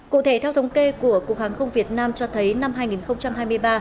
cụ thể theo thống kê của cục hàng không việt nam cho thấy năm hai nghìn hai mươi ba